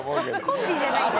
コンビじゃないんで。